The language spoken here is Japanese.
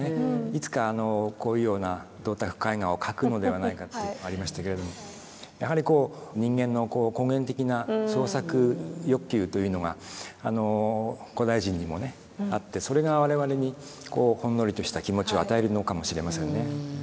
いつかこういうような銅鐸絵画を描くのではないかっていうのありましたけれどもやはりこう人間の根源的な創作欲求というのが古代人にもねあってそれが我々にほんのりとした気持ちを与えるのかもしれませんね。